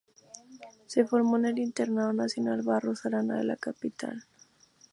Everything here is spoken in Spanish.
Se formó en el Internado Nacional Barros Arana de la capital.